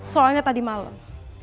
soalnya tadi malam